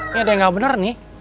ini ada yang nggak bener nih